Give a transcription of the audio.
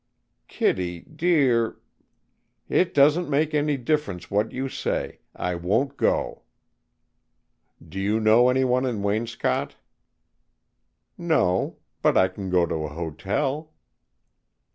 "Kittie, dear, " "It doesn't make any difference what you say. I won't go." "Do you know anyone in Waynscott?" "No. But I can go to a hotel."